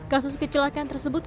kasus kecelakaan tersebut